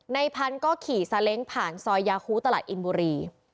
ในพันธุ์ก็ขี่ซาเล้งผ่านซอยยาฮูตลาดอินบุรี